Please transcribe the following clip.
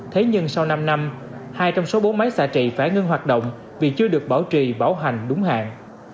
thế nhưng sau năm năm hai trong số bốn máy xạ trị phải ngưng hoạt động vì chưa được bảo trì bảo hành đúng hạn